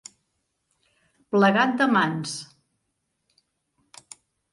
Plegat de mans.